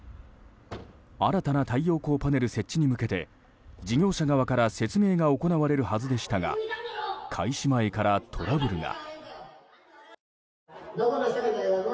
新たな太陽光パネル設置に向けて事業者側から説明が行われるはずでしたが開始前からトラブルが。